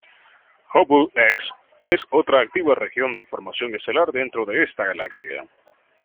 Hubble X es otra activa región de formación estelar dentro de esta galaxia.